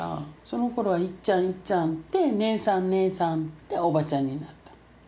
そのころは「いっちゃんいっちゃん」で「姉さん姉さん」で「おばちゃん」になった。